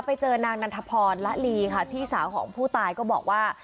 ไปเจอนางนันทพรละลีค่ะพี่สาวของผู้ตายก็บอกว่า